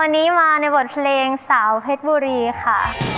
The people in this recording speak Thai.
วันนี้มาในบทเพลงสาวเพชรบุรีค่ะ